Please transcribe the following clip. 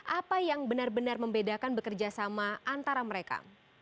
apa yang benar benar membedakan bekerja sama antara mereka